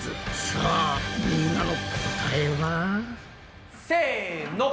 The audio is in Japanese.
さあみんなの答えは？せの！